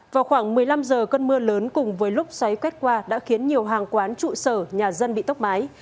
vào khoảng một mươi năm giờ cơn mưa lớn cùng với lúc xoáy quét qua đã khiến nhiều hàng quán trụ sở nhà dân bị tốc mái